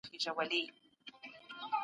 سیاست په ټولنه کي یوه دوامداره هڅه ده.